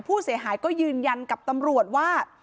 ผู้เสียหายก็ยืนยันกับตำรวจว่า